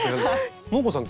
モー子さん